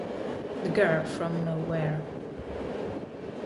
The Girl from Nowhere